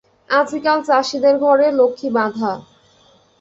আজিকাল চাষীদের ঘরে লক্ষ্মী বাঁধা।